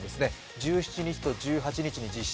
１７日と１８日に実施。